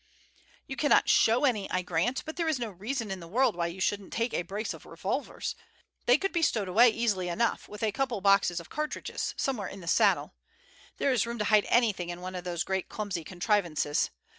"You cannot show any, I grant, but there is no reason in the world why you shouldn't take a brace of revolvers. They could be stowed away easily enough, with a couple of boxes of cartridges, somewhere in the saddle. There is room to hide anything in one of these great clumsy contrivances.